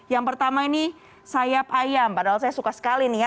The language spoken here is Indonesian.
yang pertama ini sayap ayam padahal saya suka sekali nih ya